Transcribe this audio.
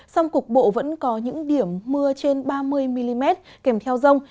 sông cục bộ vẫn có những điểm mưa trên ba mươi mm kèm theo rông